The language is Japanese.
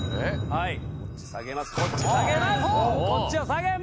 はいこっちを下げます